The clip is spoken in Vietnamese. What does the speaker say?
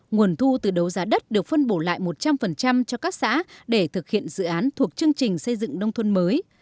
nguồn thu từ đấu giá đất được phân bổ lại một trăm linh cho các xã để thực hiện dự án thuộc chương trình xây dựng nông thôn mới